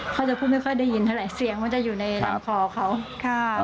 เขาจะพูดไม่ค่อยได้ยินเท่าไหร่เสียงมันจะอยู่ในลำคอเขาค่ะ